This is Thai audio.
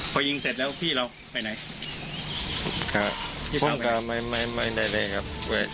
พ่อไม่ได้เลยครับ